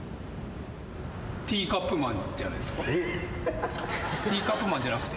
ティーカップマンじゃなくて？